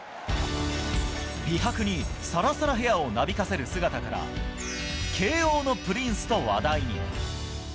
美白にさらさらヘアをなびかせる姿から、慶応のプリンスと話題に。